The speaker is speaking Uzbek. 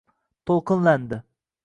To’lqinlandi